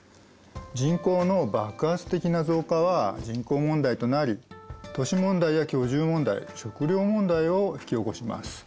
人口の爆発的な増加は人口問題となり都市問題や居住問題食料問題を引き起こします。